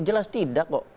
jelas tidak kok